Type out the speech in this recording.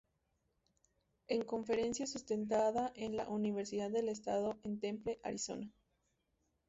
En conferencia sustentada en la "Universidad del Estado" en Tempe, Arizona.